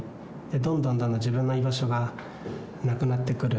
どんどんどんどん自分の居場所がなくなってくる。